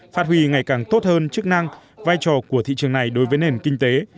phát huy ngày càng tốt hơn chức năng vai trò của thị trường này đối với nền kinh tế